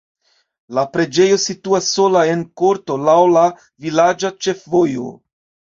La preĝejo situas sola en korto laŭ la vilaĝa ĉefvojo.